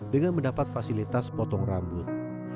dengan mendapat fasilitas potong rambut